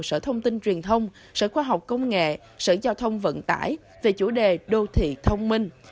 sở thông tin truyền thông sở khoa học công nghệ sở giao thông vận tải về chủ đề đô thị thông minh